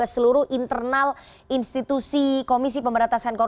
ataupun alih status menjadi pns begitu asn